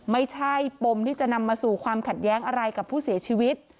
ปมที่จะนำมาสู่ความขัดแย้งอะไรกับผู้เสียชีวิต